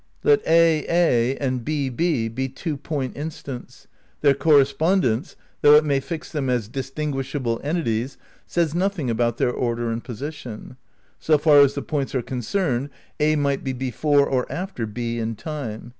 Let aA and &B be two point instants. Their correspondence, though it may fix them as distinguishable entities, says noth ing about their order and position. "So far as the points are concerned A might be before or after B in time."